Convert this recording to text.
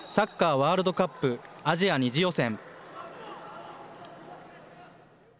ワールドカップアジア２次予選。